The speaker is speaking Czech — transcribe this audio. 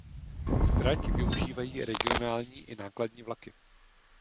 Trať využívají regionální i nákladní vlaky.